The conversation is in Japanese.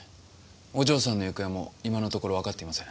お嬢さんの行方も今のところわかっていません。